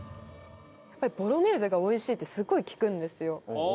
ボロネーゼが美味しいってすごい聞くんですよ。